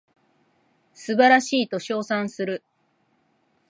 素晴らしいと称賛する